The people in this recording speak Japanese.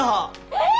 えっ！？